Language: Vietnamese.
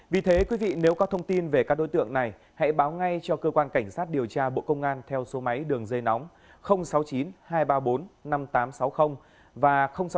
vì thế quý vị nếu có thông tin về các đối tượng này hãy báo ngay cho cơ quan cảnh sát điều tra bộ công an theo số máy đường dây nóng sáu mươi chín hai trăm ba mươi bốn năm nghìn tám trăm sáu mươi và sáu mươi chín hai trăm ba mươi hai một nghìn sáu trăm bảy